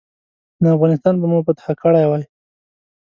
نو افغانستان به مو فتح کړی وای.